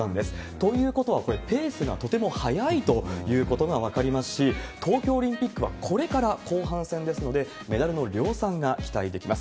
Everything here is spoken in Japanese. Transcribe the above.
ということは、これ、ペースがとても速いということが分かりますし、東京オリンピックはこれから後半戦ですので、メダルの量産が期待できます。